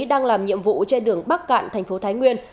đang làm nhiệm vụ trên đường bắc cạn thành phố thái nguyên